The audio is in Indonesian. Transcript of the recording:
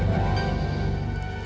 saya gak akan pernah lupa itu bu